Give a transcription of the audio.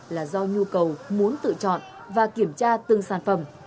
là do nhu cầu muốn tự chọn và kiểm tra từng sản phẩm